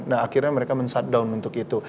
nah akhirnya mereka men shutdown untuk itu